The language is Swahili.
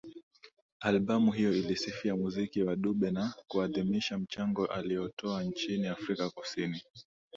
Albamu hiyo ilisifia muziki wa Dube na kuadhimisha mchango aliyotoa nchini Afrika ya Kusini